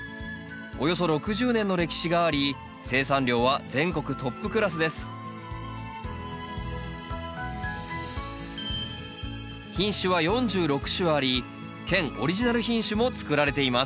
およそ６０年の歴史があり生産量は全国トップクラスです品種は４６種あり県オリジナル品種も作られています